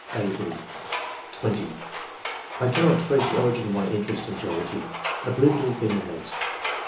(a, e) (20) " I cannot trace the origin of my interest in geology. I believe it to have been innate.